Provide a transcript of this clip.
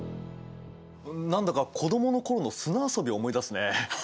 何だか子供の頃の砂遊びを思い出すね。